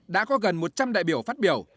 đã có gần một trăm linh đại biểu phát biểu